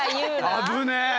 危ねえ。